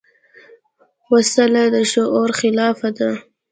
وسله د شعور خلاف ده